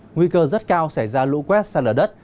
nguy cơ rất cao xảy ra lũ quét xa lở đất